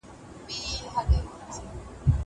زه اوږده وخت لاس پرېولم وم!